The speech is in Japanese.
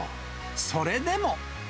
それでも。